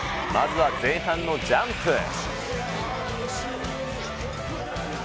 まずは前半のジャンプ。